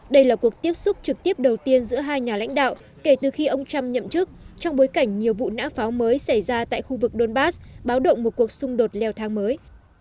đây là cuộc tiếp xúc trực tiếp đầu tiên giữa hai nhà lãnh đạo kể từ khi ông trump nhậm chức trong bối cảnh nhiều vụ nã pháo mới xảy ra tại khu vực donbass báo động một cuộc xung đột leo thang mới